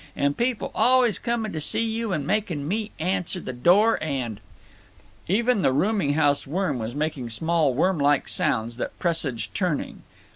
And people always coming to see you and making me answer the door and—" Even the rooming house worm was making small worm like sounds that presaged turning.